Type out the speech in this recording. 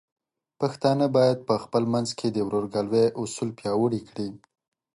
پښتانه بايد په خپل منځ کې د ورورګلوۍ اصول پیاوړي کړي.